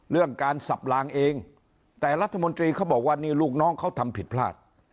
เรื่องการสับลางเองแต่รัฐมนตรีเขาบอกว่านี่ลูกน้องเขาทำผิดพลาด